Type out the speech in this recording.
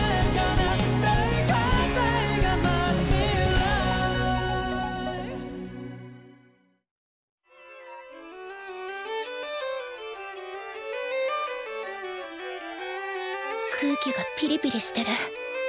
私も空気がピリピリしてる。